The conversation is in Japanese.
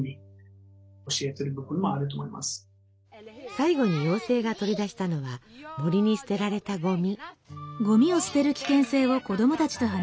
最後に妖精が取り出したのは森に捨てられたゴミ。